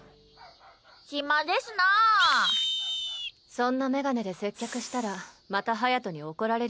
そんな眼鏡で接客したらまた隼に怒られるよ。